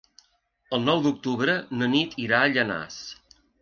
El nou d'octubre na Nit irà a Llanars.